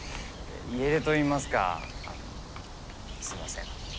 家出といいますかすみません。